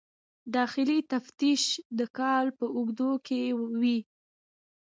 داخلي تفتیش د کال په اوږدو کې وي.